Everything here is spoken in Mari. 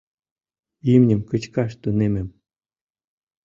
Имньым кычкаш тунемым.